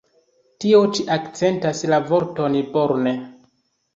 Tio ĉi akcentas la vorton "born".